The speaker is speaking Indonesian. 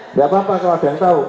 nggak apa apa kalau ada yang tahu